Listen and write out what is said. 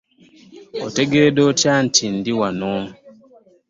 Otegedde otya nti ndi wano?.